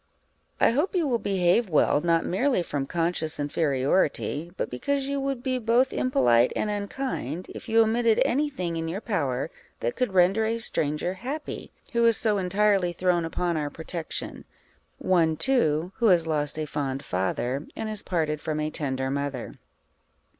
_ I hope you will behave well, not merely from conscious inferiority, but because you would be both impolite and unkind, if you omitted any thing in your power that could render a stranger happy, who is so entirely thrown upon our protection one, too, who has lost a fond father, and is parted from a tender mother.